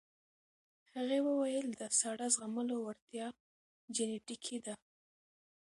هغې وویل د ساړه زغملو وړتیا جینیټیکي ده.